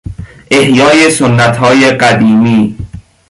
احیای سنتهای قدیمی